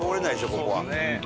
ここは。